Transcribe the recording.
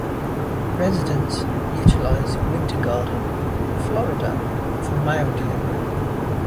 Residents utilize Winter Garden, Florida for mail delivery.